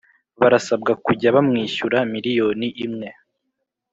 barasabwa kujya bamwishyura miliyoni imwe